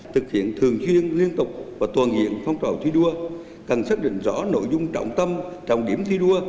thực hiện thường xuyên liên tục và toàn diện phong trào thi đua cần xác định rõ nội dung trọng tâm trọng điểm thi đua